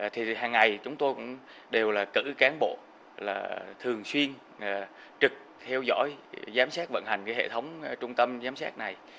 thì hàng ngày chúng tôi cũng đều là cử cán bộ là thường xuyên trực theo dõi giám sát vận hành cái hệ thống trung tâm giám sát này